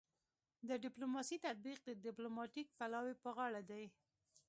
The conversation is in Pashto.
د ډیپلوماسي تطبیق د ډیپلوماتیک پلاوي په غاړه دی